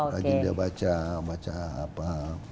rajin dia baca baca apa